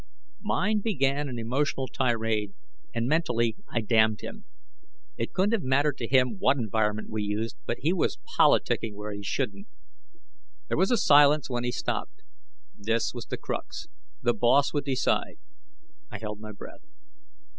Mind began an emotional tirade, and mentally I damned him. It couldn't have mattered to him what environment we used, but he was politicking where he shouldn't. There was silence when he stopped. This was the crux; The Boss would decide. I held my breath.